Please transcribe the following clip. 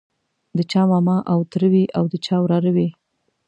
د چا ماما او تره وي او د چا وراره وي.